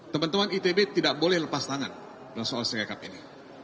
teman teman itb tidak boleh lepas tangan soal singkat ini